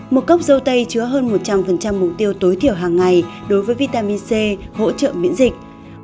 một cốc dâu tây chứa hơn một trăm linh mục tiêu tối thiểu hàng ngày đối với vitamin c hỗ trợ miễn dịch